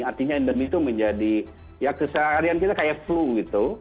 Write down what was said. artinya endemi itu menjadi ya keseharian kita kayak flu gitu